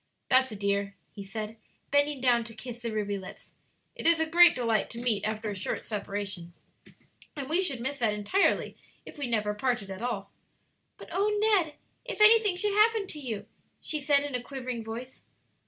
"That's a dear," he said, bending down to kiss the ruby lips. "It is a great delight to meet after a short separation, and we should miss that entirely if we never parted at all." "But oh, Ned, if anything should happen to you!" she said, in a quivering voice.